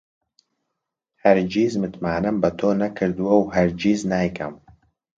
هەرگیز متمانەم بە تۆ نەکردووە و هەرگیز نایکەم.